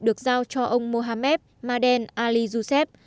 được giao cho ông mohammed maden ali yusef